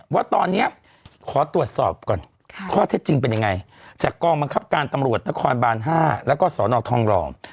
ว่าตอนนี้ขอตรวจสอบก่อนข้อเท็จจริงเป็นยังไงจากกองบังคับการตำรวจนครบาน๕แล้วก็สนทองหล่อ